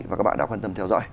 và các bạn đã quan tâm theo dõi